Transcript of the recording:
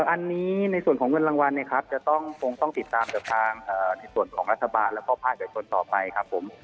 อันนี้ในส่วนของเงินรางวัลเนี่ยครับจะต้องคงต้องติดตามจากทางในส่วนของรัฐบาลแล้วก็ภาคเอกชนต่อไปครับผม